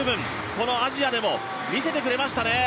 このアジアでも見せてくれましたね。